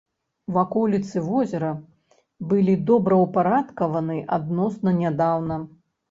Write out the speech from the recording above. Ваколіцы возера былі добраўпарадкаваныя адносна нядаўна.